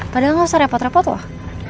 padahal gak usah repot repot lah